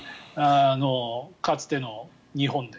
かつての日本で。